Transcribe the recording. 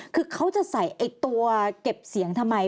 คือเขาจะใส่ไอ้ตัวเก็บเสียงทำไม